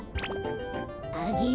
あげる。